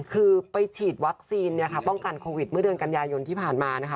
คือไปฉีดวัคซีนเนี่ยค่ะป้องกันโควิดเมื่อเดือนกันยายนที่ผ่านมานะคะ